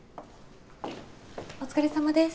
お疲れさまです。